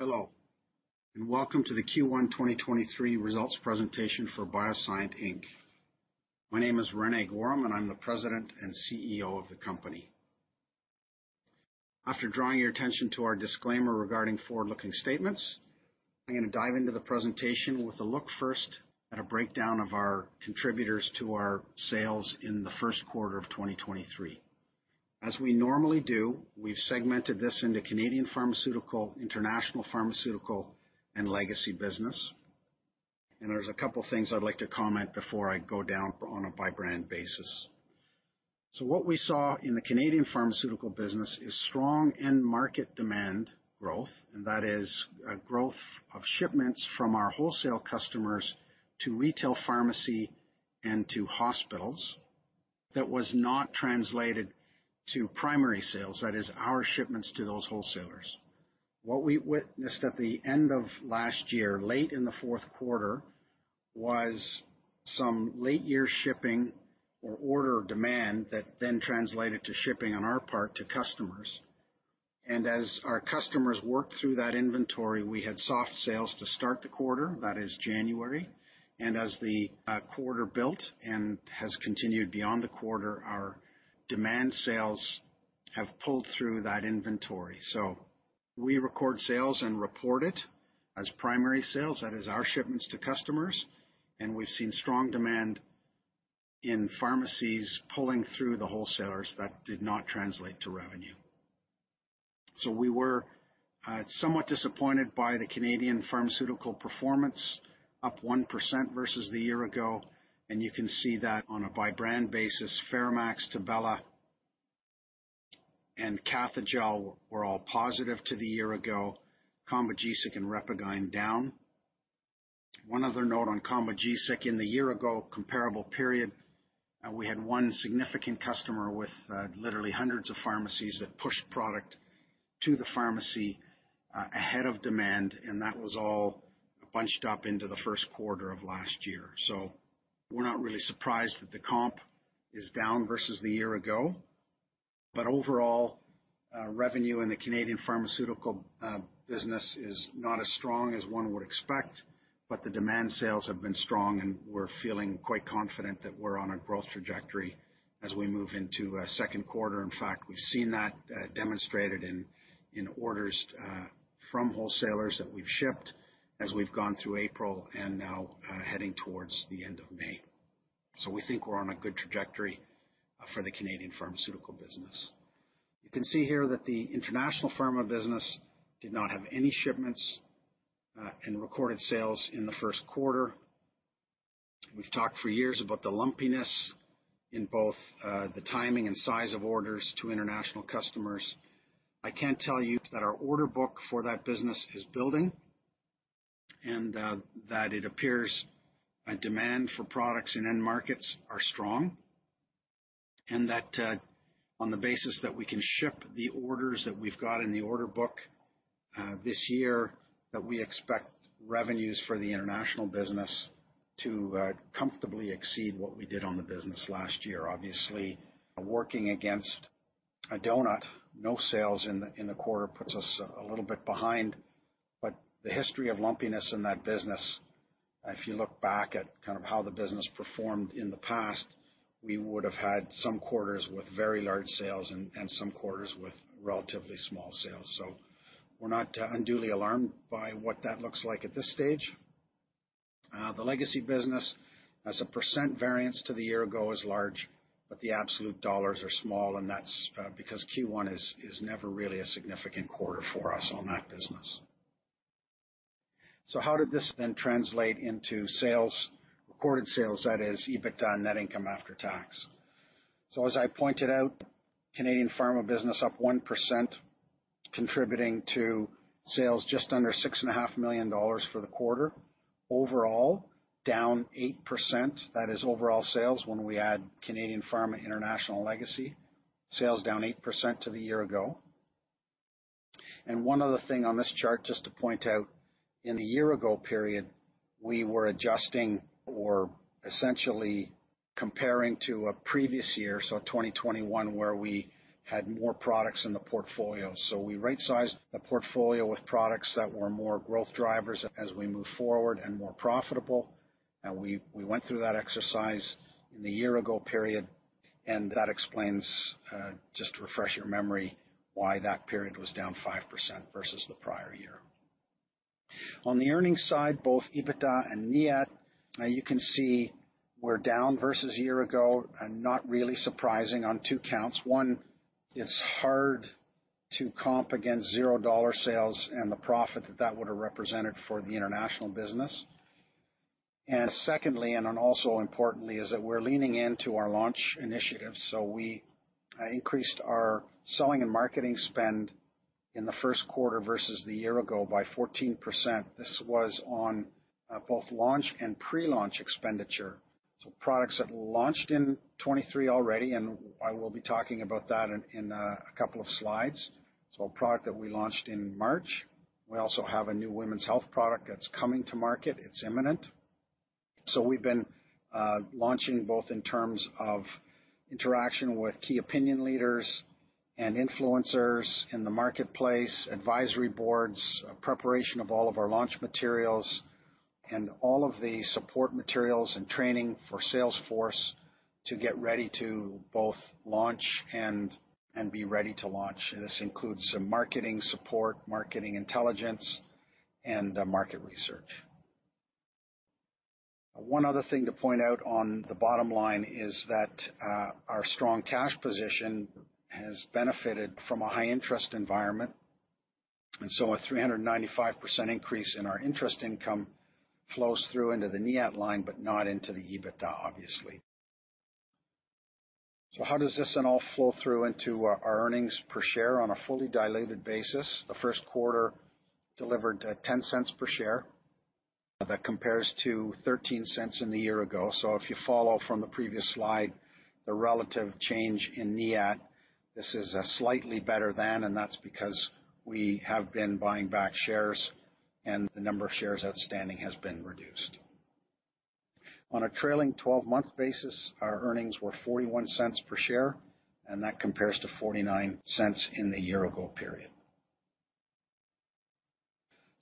Hello, welcome to the Q1 2023 results presentation for BioSyent Inc. My name is René Goehrum, and I'm the President and CEO of the company. After drawing your attention to our disclaimer regarding forward-looking statements, I'm gonna dive into the presentation with a look first at a breakdown of our contributors to our sales in the first quarter of 2023. As we normally do, we've segmented this into Canadian pharmaceutical, international pharmaceutical, and legacy business. There's a couple of things I'd like to comment before I go down on a by-brand basis. What we saw in the Canadian pharmaceutical business is strong end market demand growth, and that is a growth of shipments from our wholesale customers to retail pharmacy and to hospitals that was not translated to primary sales, that is our shipments to those wholesalers. What we witnessed at the end of last year, late in the fourth quarter, was some late-year shipping or order demand that then translated to shipping on our part to customers. As our customers worked through that inventory, we had soft sales to start the quarter, that is January. As the quarter built and has continued beyond the quarter, our demand sales have pulled through that inventory. We record sales and report it as primary sales. That is our shipments to customers, and we've seen strong demand in pharmacies pulling through the wholesalers that did not translate to revenue. We were somewhat disappointed by the Canadian pharmaceutical performance, up 1% versus the year ago, and you can see that on a by-brand basis, FeraMAX, Tibella, and Cathejell were all positive to the year ago, Combogesic and RepaGyn down. One other note on Combogesic, in the year-ago comparable period, we had one significant customer with literally 100s of pharmacies that pushed product to the pharmacy ahead of demand, and that was all bunched up into the first quarter of last year. We're not really surprised that the comp is down versus the year ago. Overall, revenue in the Canadian pharmaceutical business is not as strong as one would expect, but the demand sales have been strong, and we're feeling quite confident that we're on a growth trajectory as we move into second quarter. In fact, we've seen that demonstrated in orders from wholesalers that we've shipped as we've gone through April and now heading towards the end of May. We think we're on a good trajectory for the Canadian pharmaceutical business. You can see here that the international pharma business did not have any shipments, and recorded sales in the first quarter. We've talked for years about the lumpiness in both, the timing and size of orders to international customers. I can tell you that our order book for that business is building, and that it appears a demand for products in end markets are strong, and that on the basis that we can ship the orders that we've got in the order book, this year, that we expect revenues for the international business to comfortably exceed what we did on the business last year. Obviously, working against a donut, no sales in the, in the quarter puts us a little bit behind. The history of lumpiness in that business, if you look back at kind of how the business performed in the past, we would have had some quarters with very large sales and some quarters with relatively small sales. We're not unduly alarmed by what that looks like at this stage. The legacy business, as a percent variance to the year ago, is large, but the absolute dollars are small, and that's because Q1 is never really a significant quarter for us on that business. How did this then translate into sales, recorded sales, that is EBITDA and Net Income After Taxes? As I pointed out, Canadian Pharma business up 1%, contributing to sales just under $6.5 million dollars for the quarter. Overall, down 8%. That is overall sales when we add Canadian Pharma, International, Legacy. Sales down 8% to the year-ago. One other thing on this chart, just to point out, in the year-ago period, we were adjusting or essentially comparing to a previous year, so 2021, where we had more products in the portfolio. We right-sized the portfolio with products that were more growth drivers as we move forward and more profitable. We went through that exercise in the year-ago period, and that explains, just to refresh your memory, why that period was down 5% versus the prior year. On the earnings side, both EBITDA and NIAT, you can see we're down versus a year-ago and not really surprising on two counts. One, it's hard to comp against 0 dollar sales and the profit that that would have represented for the international business. Secondly, and then also importantly, is that we're leaning into our launch initiatives. We increased our selling and marketing spend in the first quarter versus the year ago by 14%. This was on both launch and pre-launch expenditure. Products that launched in 2023 already, and I will be talking about that in a couple of slides. A product that we launched in March. We also have a new women's health product that's coming to market. It's imminent. We've been launching both in terms of interaction with key opinion leaders and influencers in the marketplace, advisory boards, preparation of all of our launch materials, and all of the support materials and training for Salesforce to get ready to both launch and be ready to launch. This includes some marketing support, marketing intelligence, and market research. One other thing to point out on the bottom line is that our strong cash position has benefited from a high interest environment, a 395% increase in our interest income flows through into the NIAT line, but not into the EBITDA, obviously. How does this all flow through into our earnings per share on a fully dilated basis? The first quarter delivered 0.10 per share. That compares to 0.13 in the year ago. If you follow from the previous slide, the relative change in NIAT, this is a slightly better than, that's because we have been buying back shares, and the number of shares outstanding has been reduced. On a trailing 12-month basis, our earnings were 0.41 per share, that compares to 0.49 in the year ago period.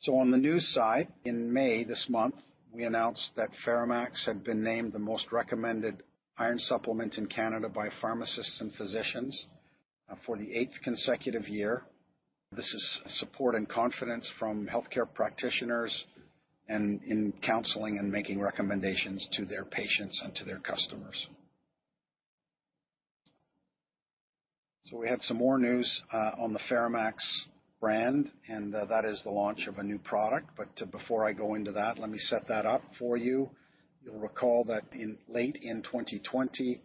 On the news side, in May, this month, we announced that FeraMAX had been named the most recommended iron supplement in Canada by pharmacists and physicians, for the eighth consecutive year. This is support and confidence from healthcare practitioners and in counseling and making recommendations to their patients and to their customers. We had some more news on the FeraMAX brand, and that is the launch of a new product. Before I go into that, let me set that up for you. You'll recall that in late in 2020,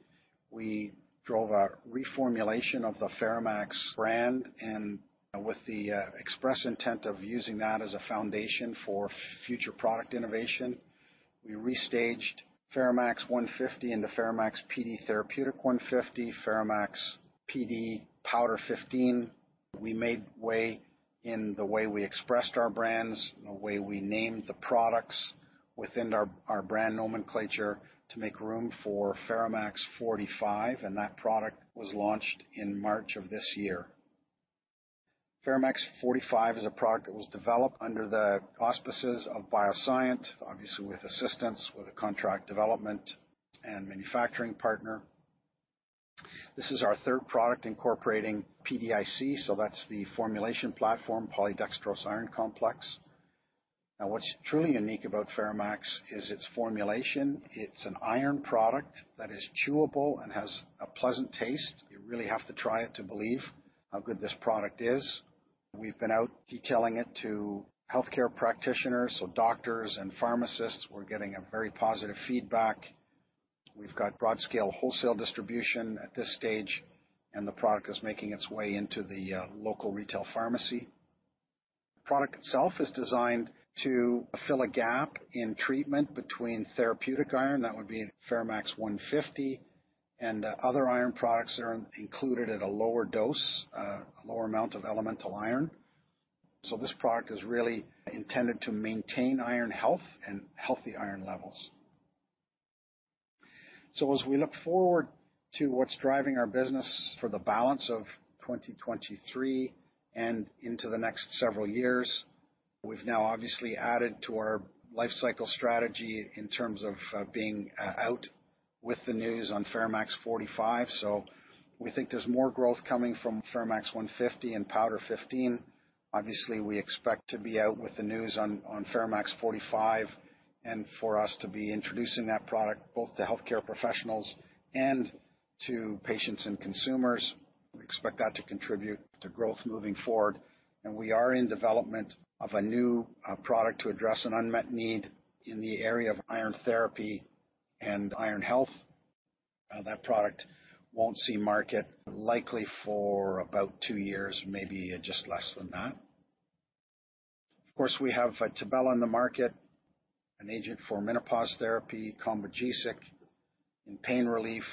we drove a reformulation of the FeraMAX brand, and with the express intent of using that as a foundation for future product innovation. We restaged FeraMAX 150 into FeraMAX Pd Therapeutic 150, FeraMAX Pd Powder 15. We made way in the way we expressed our brands, the way we named the products within our brand nomenclature, to make room for FeraMAX 45, and that product was launched in March of this year. FeraMAX 45 is a product that was developed under the auspices of BioSyent, obviously with assistance with a contract development and manufacturing partner. This is our third product incorporating PDIC, so that's the formulation platform, polydextrose iron complex. Now, what's truly unique about FeraMAX is its formulation. It's an iron product that is chewable and has a pleasant taste. You really have to try it to believe how good this product is. We've been out detailing it to healthcare practitioners, so doctors and pharmacists. We're getting a very positive feedback. We've got broad-scale wholesale distribution at this stage, and the product is making its way into the local retail pharmacy. The product itself is designed to fill a gap in treatment between therapeutic iron, that would be FeraMAX 150, and other iron products are included at a lower dose, a lower amount of elemental iron. This product is really intended to maintain iron health and healthy iron levels. As we look forward to what's driving our business for the balance of 2023 and into the next several years, we've now obviously added to our lifecycle strategy in terms of being out with the news on FeraMAX 45. We think there's more growth coming from FeraMAX 150 and Powder 15. Obviously, we expect to be out with the news on FeraMAX 45, and for us to be introducing that product both to healthcare professionals and to patients and consumers. We expect that to contribute to growth moving forward, and we are in development of a new product to address an unmet need in the area of iron therapy and iron health. That product won't see market likely for about two years, maybe just less than that. Of course, we have Tibella on the market, an agent for menopause therapy, Combogesic, and pain relief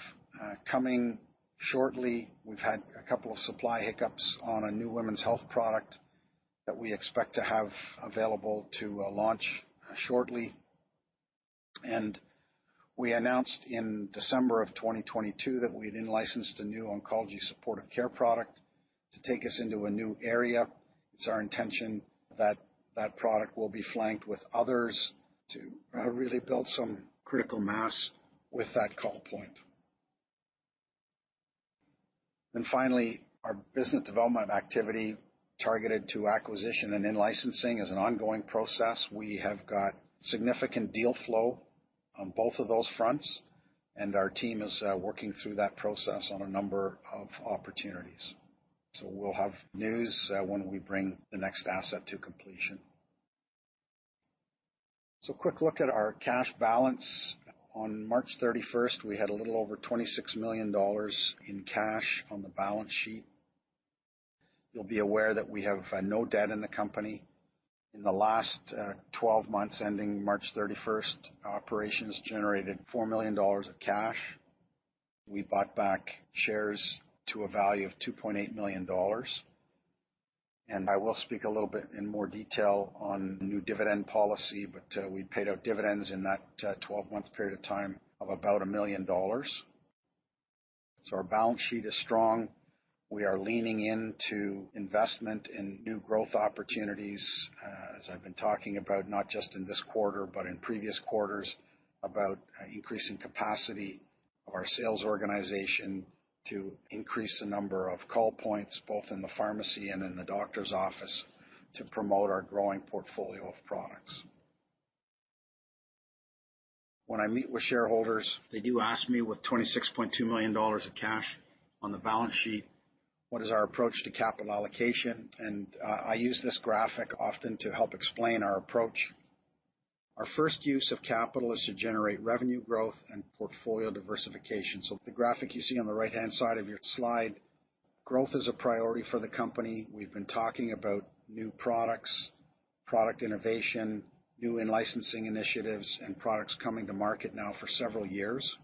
coming shortly. We've had a couple of supply hiccups on a new women's health product that we expect to have available to launch shortly. We announced in December of 2022 that we had then licensed a new oncology supportive care product to take us into a new area. It's our intention that that product will be flanked with others to really build some critical mass with that call point. Finally, our business development activity targeted to acquisition and in-licensing is an ongoing process. We have got significant deal flow on both of those fronts, and our team is working through that process on a number of opportunities. We'll have news when we bring the next asset to completion. A quick look at our cash balance. On March 31st, we had a little over 26 million dollars in cash on the balance sheet. You'll be aware that we have no debt in the company. In the last 12 months, ending March 31st, operations generated 4 million dollars of cash. We bought back shares to a value of 2.8 million dollars. I will speak a little bit in more detail on the new dividend policy, but we paid out dividends in that 12-month period of time of about 1 million dollars. Our balance sheet is strong. We are leaning into investment in new growth opportunities, as I've been talking about, not just in this quarter, but in previous quarters, about increasing capacity of our sales organization to increase the number of call points, both in the pharmacy and in the doctor's office, to promote our growing portfolio of products. When I meet with shareholders, they do ask me, with 26.2 million dollars of cash on the balance sheet, what is our approach to capital allocation? I use this graphic often to help explain our approach. Our first use of capital is to generate revenue growth and portfolio diversification. The graphic you see on the right-hand side of your slide, growth is a priority for the company. We've been talking about new products, product innovation, new in-licensing initiatives, and products coming to market now for several years,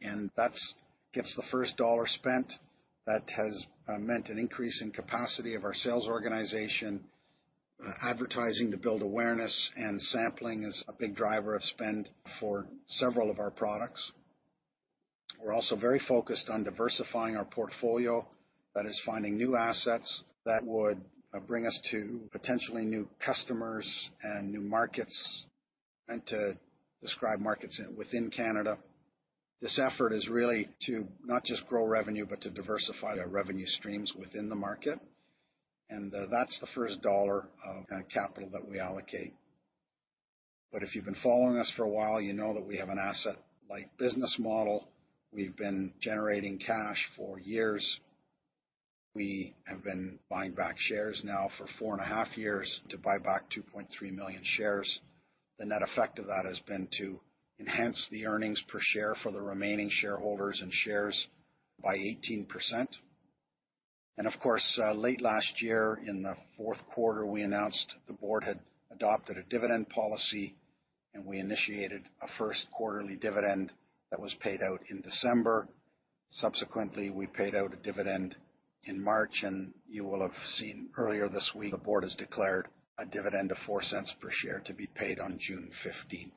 and that's gets the first dollar spent. That has meant an increase in capacity of our sales organization. Advertising to build awareness and sampling is a big driver of spend for several of our products. We're also very focused on diversifying our portfolio. That is, finding new assets that would bring us to potentially new customers and new markets, and to describe markets within Canada. This effort is really to not just grow revenue, but to diversify their revenue streams within the market, and that's the first dollar of capital that we allocate. If you've been following us for a while, you know that we have an asset-light business model. We've been generating cash for years. We have been buying back shares now for four and a half years to buy back 2.3 million shares. The net effect of that has been to enhance the earnings per share for the remaining shareholders and shares by 18%. Of course, late last year, in the fourth quarter, we announced the board had adopted a dividend policy, and we initiated a first quarterly dividend that was paid out in December. Subsequently, we paid out a dividend in March, and you will have seen earlier this week, the board has declared a dividend of 0.04 per share to be paid on June 15th.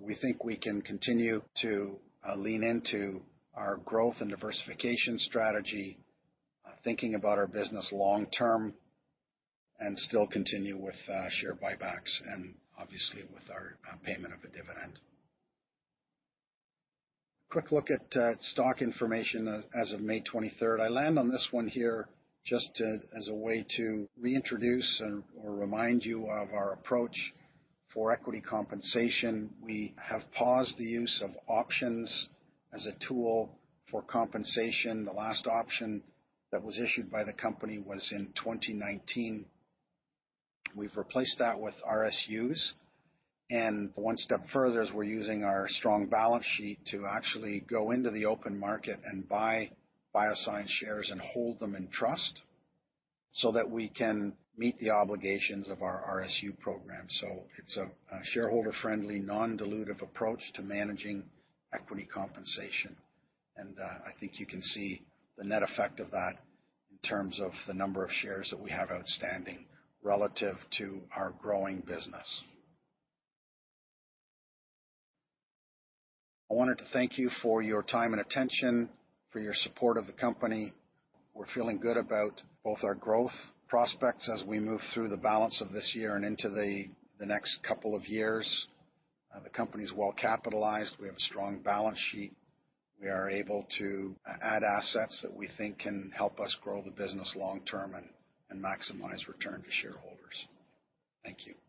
We think we can continue to lean into our growth and diversification strategy, thinking about our business long term, and still continue with share buybacks, and obviously with our payment of a dividend. Quick look at stock information as of May 23rd. I land on this one here as a way to reintroduce and/or remind you of our approach for equity compensation. We have paused the use of options as a tool for compensation. The last option that was issued by the company was in 2019. We've replaced that with RSUs, and one step further, is we're using our strong balance sheet to actually go into the open market and buy BioSyent shares and hold them in trust so that we can meet the obligations of our RSU program. It's a shareholder-friendly, non-dilutive approach to managing equity compensation. I think you can see the net effect of that in terms of the number of shares that we have outstanding relative to our growing business. I wanted to thank you for your time and attention, for your support of the company. We're feeling good about both our growth prospects as we move through the balance of this year and into the next couple of years. The company is well capitalized. We have a strong balance sheet. We are able to add assets that we think can help us grow the business long term and maximize return to shareholders. Thank you.